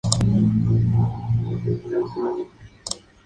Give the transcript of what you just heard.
Stewart es una cristiana devota.